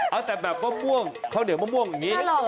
เอาแต่แบบมะม่วงข้าวเหนียวมะม่วงอย่างนี้